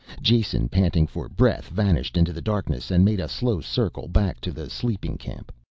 Jason, panting for breath, vanished into the darkness and made a slow circle back to the sleeping camp.